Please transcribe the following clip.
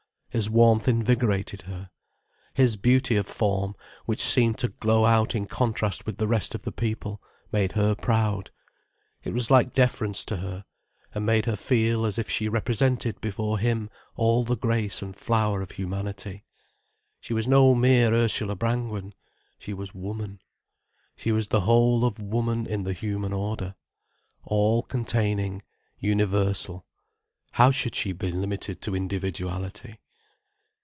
His warmth invigorated her. His beauty of form, which seemed to glow out in contrast with the rest of people, made her proud. It was like deference to her, and made her feel as if she represented before him all the grace and flower of humanity. She was no mere Ursula Brangwen. She was Woman, she was the whole of Woman in the human order. All containing, universal, how should she be limited to individuality?